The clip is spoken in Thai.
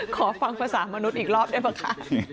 ขอฟังภาษามนุษย์อีกรอบได้ป่ะคะ